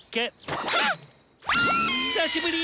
久しぶり！